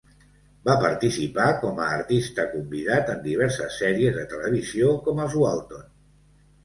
Va participar con a artista convidat en diverses sèries de televisió, com "Els Walton".